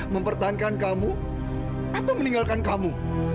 mempertahankan kamu atau meninggalkan kamu